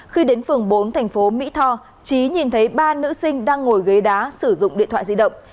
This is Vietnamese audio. khi đến phường bốn thành phố mỹ tho trí nhìn thấy ba nữ sinh đang ngồi ghế đá sử dụng điện thoại di động